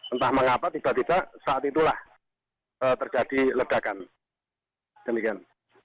entah mengapa tiba tiba saat itulah terjadi ledakan demikian